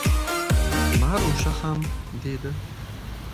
– Marusha ham… – dedi.